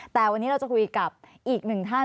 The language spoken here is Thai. แต่วันนี้เราจะคุยกับอีกหนึ่งท่าน